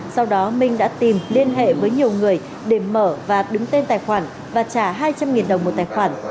sau đó minh đã tìm liên hệ với nhiều người để mở và đứng tên tài khoản và trả hai trăm linh đồng một tài khoản